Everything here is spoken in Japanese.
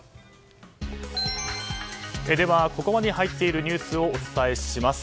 ではここまでに入っているニュースをお伝えします。